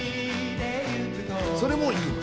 「それもいいの」